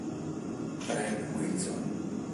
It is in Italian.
Frank Wilson